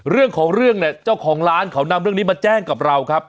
เรื่องของเรื่องเนี่ยเจ้าของร้านเขานำเรื่องนี้มาแจ้งกับเราครับ